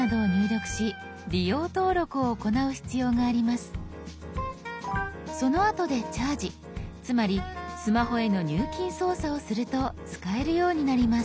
ほとんどの場合アプリを入れたあとにそのあとで「チャージ」つまりスマホへの入金操作をすると使えるようになります。